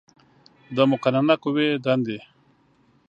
د مقننه قوې دندې